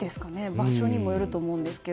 場所にもよると思いますが。